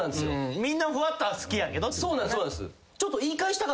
みんなふわっとは好きやけど。